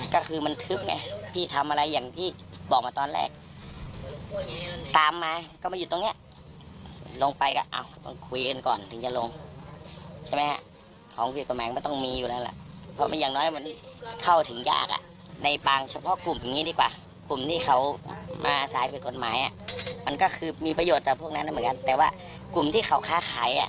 ก็คือมันทึบไงพี่ทำอะไรอย่างที่บอกมาตอนแรกตามมาก็มาอยู่ตรงเนี้ยลงไปก็อ่ะต้องคุยกันก่อนถึงจะลงใช่ไหมฮะของผิดกฎหมายมันต้องมีอยู่แล้วล่ะเพราะอย่างน้อยมันเข้าถึงยากอ่ะในปางเฉพาะกลุ่มอย่างนี้ดีกว่ากลุ่มที่เขามาสายผิดกฎหมายอ่ะมันก็คือมีประโยชน์ต่อพวกนั้นเหมือนกันแต่ว่ากลุ่มที่เขาค้าขายอ่ะ